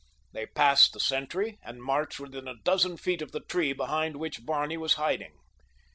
They passed the sentry and marched within a dozen feet of the tree behind which Barney was hiding.